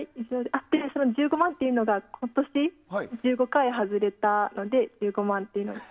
１５万っていうのが今年１５回外れたので１５万っていう。